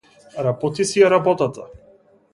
Работи си ја работата.